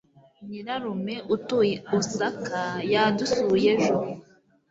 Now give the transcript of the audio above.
Nyirarume utuye Osaka, yadusuye ejo